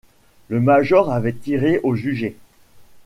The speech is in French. Le major avait tiré au jugé.